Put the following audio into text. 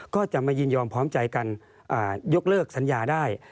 ก็จะมายินยอมพร้อมใจกันยกเลิกสัญญาได้